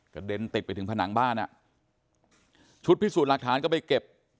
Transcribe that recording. เด็นติดไปถึงผนังบ้านอ่ะชุดพิสูจน์หลักฐานก็ไปเก็บ